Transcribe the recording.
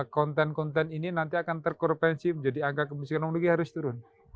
konten konten ini nanti akan terkorupensi menjadi angka kemiskinan yang harus turun